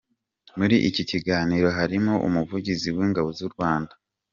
Muri iki kiganiro harimo Umuvugizi w’Ingabo z’u Rwanda Bg.